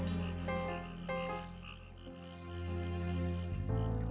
kenapa pergi rumahnya